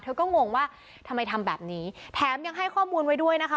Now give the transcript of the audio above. เธอก็งงว่าทำไมทำแบบนี้แถมยังให้ข้อมูลไว้ด้วยนะคะ